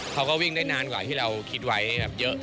เขาก็วิ่งได้นานกว่าที่เราคิดไว้แบบเยอะ